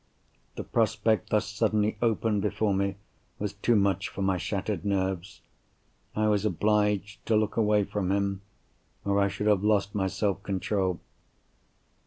The prospect thus suddenly opened before me was too much for my shattered nerves. I was obliged to look away from him—or I should have lost my self control.